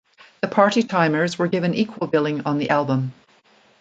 The Party Timers were given equal billing on the album.